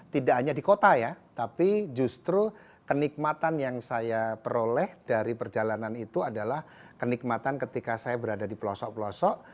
tidak hanya di kota ya tapi justru kenikmatan yang saya peroleh dari perjalanan itu adalah kenikmatan ketika saya berada di pelosok pelosok